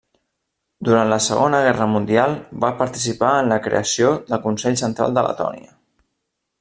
Durant la Segona Guerra mundial va participar en la creació del Consell Central de Letònia.